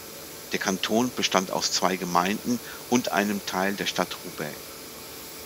Der Kanton bestand aus zwei Gemeinden und einem Teil der Stadt Roubaix.